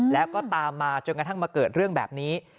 แล้วก็ตามมาจนกระทั่งมาเกิดเรื่องแบบนี้